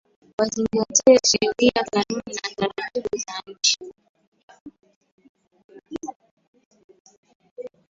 Wazingatie sheria kanuni na taratibu za Kenya